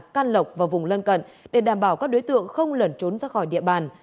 can lộc và vùng lân cận để đảm bảo các đối tượng không lẩn trốn ra khỏi địa bàn